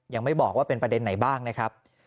ยังไม่บอกว่าเป็นประเด็นไหนบ้างนะครับ